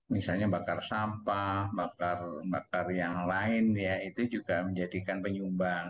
misalnya bakar sampah bakar bakar yang lain ya itu juga menjadikan penyumbang